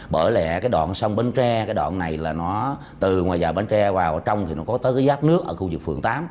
bởi lẽ đoạn sông bến tre đoạn này từ ngoài dạ bến tre vào trong thì nó có tới giáp nước ở khu vực phường tám